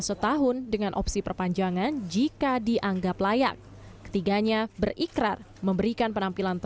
setahun dengan opsi perpanjangan jika dianggap layak ketiganya berikrar memberikan penampilan